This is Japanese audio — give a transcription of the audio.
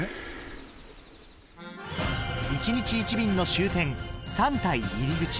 １日１便の終点三岱入口